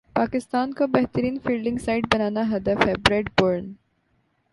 پاکستان کو بہترین fielding side بنانا ہدف ہے بریڈ برن